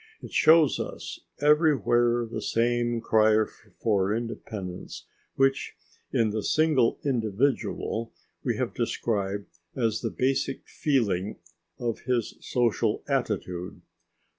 It shows us everywhere the same cry for independence which in the single individual we have described as the basic feeling of his social attitude.